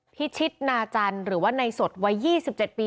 พิชิตนาจันทร์หรือว่าในสดวัย๒๗ปี